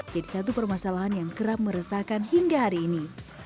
jadi satu permasalahan yang kerap meresahkan hingga hari ini